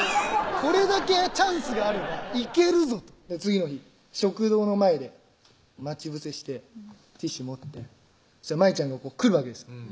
これだけチャンスがあればいけるぞと次の日食堂の前で待ち伏せしてティッシュ持って舞ちゃんが来るわけです